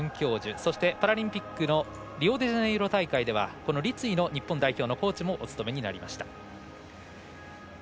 そして、パラリンピックのリオデジャネイロ大会では立位の日本代表のコーチもお務めになりました。